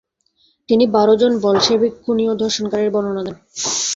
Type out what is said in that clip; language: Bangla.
তিনি বারোজন বলশেভিক খুনী ও ধর্ষণকারীর বর্ণনা দেন।